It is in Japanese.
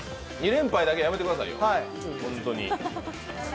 ２連敗だけはやめてくださいよ、ホントに。